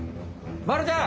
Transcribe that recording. まるちゃん！